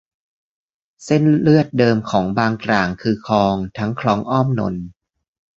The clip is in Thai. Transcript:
เส้นเลือดเดิมของบางกร่างคือคลอง ทั้งคลองอ้อมนนท์